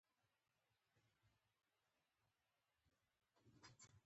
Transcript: د خاورې حاصلخېزۍ ساتنه د زراعت دوام تضمینوي.